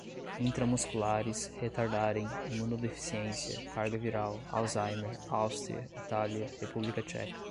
intramusculares, retardarem, imunodeficiência, carga viral, alzheimer, Aústria, Itália, República Tcheca